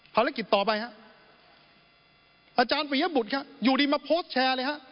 ภารกิจต่อไปฮะ